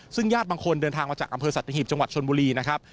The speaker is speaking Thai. ซึ่งญาติบางคนเดินทางมาจากอำเภอสัตหีบจังหวัดชนบุรีนะครับ